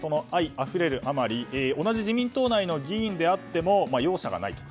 愛あふれるあまり同じ自民党内の議員であっても容赦がないと。